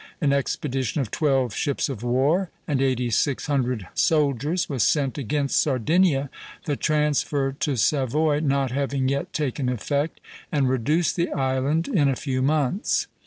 An expedition of twelve ships of war and eighty six hundred soldiers was sent against Sardinia, the transfer to Savoy not having yet taken effect, and reduced the island in a few months.